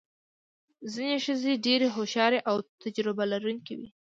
ځینې ښځې ډېرې هوښیارې او تجربه لرونکې وې.